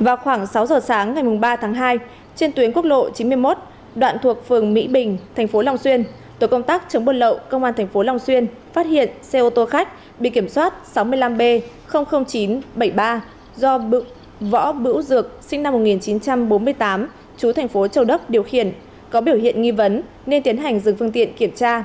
vào khoảng sáu giờ sáng ngày ba tháng hai trên tuyến quốc lộ chín mươi một đoạn thuộc phường mỹ bình thành phố long xuyên tổ công tác chống buôn lậu công an thành phố long xuyên phát hiện xe ô tô khách bị kiểm soát sáu mươi năm b chín trăm bảy mươi ba do võ bữu dược sinh năm một nghìn chín trăm bốn mươi tám chú thành phố châu đốc điều khiển có biểu hiện nghi vấn nên tiến hành dừng phương tiện kiểm tra